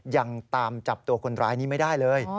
ยังตามจับตัวคนร้ายนี้ไม่ได้เลย